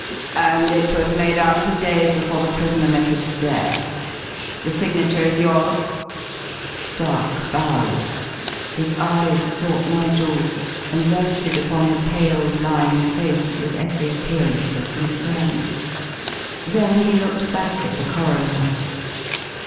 "And it was made out two days before the prisoner met his death. The signature is yours?" Stark bowed. His eyes sought Nigel's and rested upon the pale, lined face with every appearance of concern. Then he looked back at the coroner.